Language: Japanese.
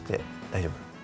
大丈夫？